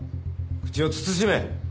口を慎め。